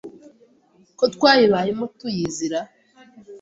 ko twayibayemo tuyizi ra